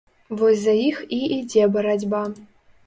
Вось за іх і ідзе барацьба.